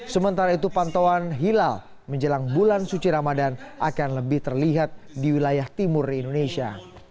sementara itu pantauan hilal menjelang bulan suci ramadan akan lebih terlihat di wilayah timur indonesia